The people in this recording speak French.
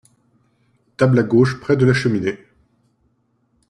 Table à gauche près de la cheminée.